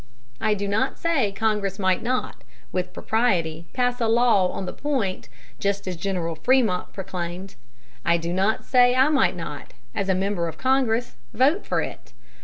I do not say Congress might not, with propriety, pass a law on the point, just such as General Frémont proclaimed. I do not say I might not, as a member of Congress, vote for it.